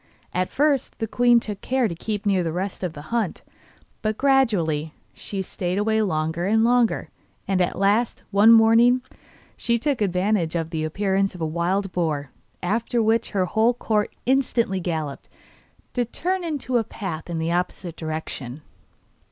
At first the queen took care to keep near the rest of the hunt, but gradually she stayed away longer and longer, and at last, one morning, she took advantage of the appearance of a wild boar, after which her whole court instantly galloped, to turn into a path in the opposite direction.